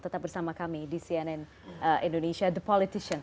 tetap bersama kami di cnn indonesia the politician